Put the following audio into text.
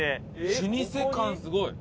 老舗感すごい！